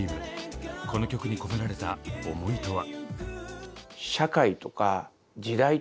この曲に込められた思いとは？